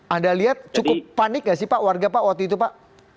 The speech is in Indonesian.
anda lihat cukup panik gak sih pak warga pak waktu itu pak